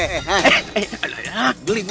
eh alah ya beli gue